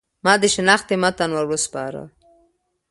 ما د شنختې متن ور وسپاره.